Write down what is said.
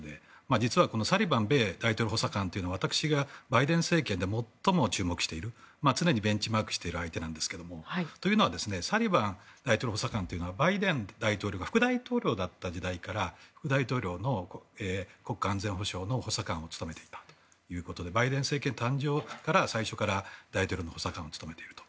実はサリバン米大統領補佐官というのは私がバイデン政権で最も注目している常にベンチマークしている相手なんですがというのはサリバン大統領補佐官はバイデン大統領が副大統領だった時代から大統領の国家安全保障の補佐官を務めていたということでバイデン政権誕生の最初から大統領の補佐官を努めていると。